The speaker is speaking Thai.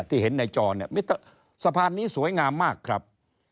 ที่เห็นในจอเนี่ยสะพานนี้สวยงามมากครับ